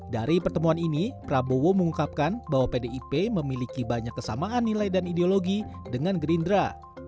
dari pertemuan ini prabowo mengungkapkan bahwa pdip memiliki banyak kesamaan nilai dan ideologi dengan gerindra